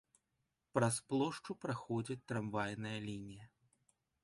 Праз плошчу праходзіць трамвайная лінія.